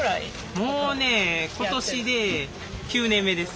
もうね今年で９年目です。